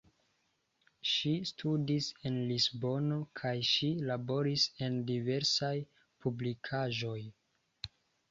Ŝi studis en Lisbono kaj ŝi laboris en diversaj publikaĵoj.